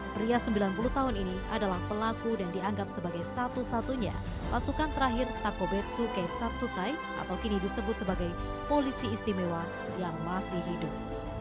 pria sembilan puluh tahun ini adalah pelaku dan dianggap sebagai satu satunya pasukan terakhir takobetsuke satsutai atau kini disebut sebagai polisi istimewa yang masih hidup